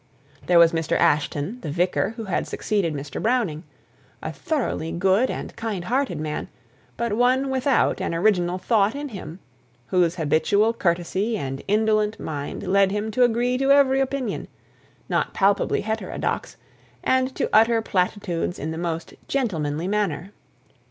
There was Mr. Ashton, the vicar, who had succeeded Mr. Browning, a thoroughly good and kind hearted man, but one without an original thought in him; whose habitual courtesy and indolent mind led him to agree to every opinion, not palpably heterodox, and to utter platitudes in the most gentlemanly manner.